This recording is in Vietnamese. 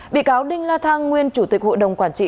bị cáo đinh la thăng nguyên chủ tịch hội đồng quản trị